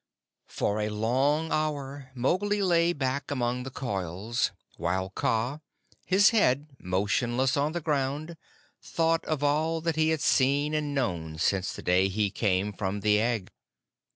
For a long hour Mowgli lay back among the coils, while Kaa, his head motionless on the ground, thought of all that he had seen and known since the day he came from the egg.